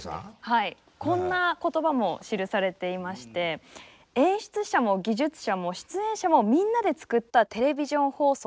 はいこんな言葉も記されていまして「演出者も技術者も出演者もみんなでつくったテレビジョン放送だ」と。